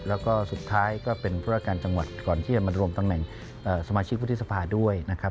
แล้วก็สุดท้ายก็เป็นผู้ราชการจังหวัดก่อนที่จะมารวมตำแหน่งสมาชิกวุฒิสภาด้วยนะครับ